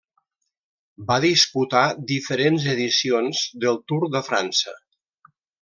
Va disputar diferents edicions del Tour de França.